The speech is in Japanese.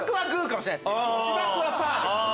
「しばく」はパです。